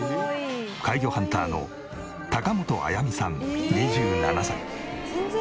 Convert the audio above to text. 怪魚ハンターの高本采実さん２７歳。